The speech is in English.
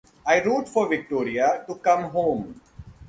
I wrote for Victoria to come home.